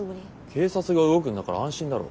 警察が動くんだから安心だろ。